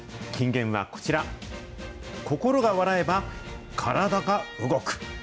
金言はこちら、心が笑えば体が動く。